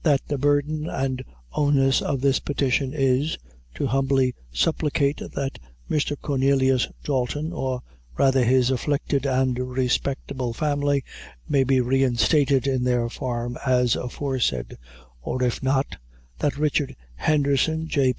That the burthen and onus of this petition is, to humbly supplicate that Mr. Cornelius Dalton, or rather his afflicted and respectable family, may be reinstated in their farm as aforesaid, or if not, that Richard Henderson, J.